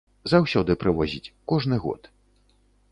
Заўсёды прывозіць, кожны год.